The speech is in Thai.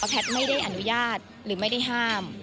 แพทย์ไม่ได้อนุญาตหรือไม่ได้ห้าม